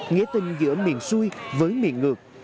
nghĩa tình giữa miền xuôi với miền ngược